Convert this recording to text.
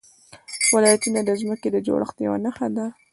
ولایتونه د ځمکې د جوړښت یوه نښه ده.